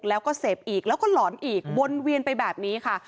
แล้วก็เสพอีกแล้วก็หลอนอีกวนเวียนไปแบบนี้ค่ะ